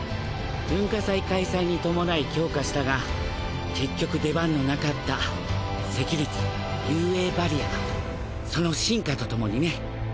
文化祭開催に伴い強化したが結局出番のなかったセキュリティ雄英バリアその真価と共にね。